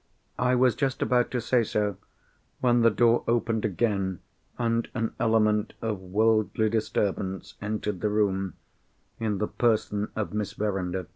I was just about to say so, when the door opened again, and an element of worldly disturbance entered the room, in the person of Miss Verinder.